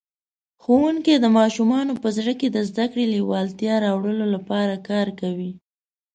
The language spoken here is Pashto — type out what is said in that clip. ښوونکی د ماشومانو په زړه کې د زده کړې لېوالتیا راوړلو لپاره کار کوي.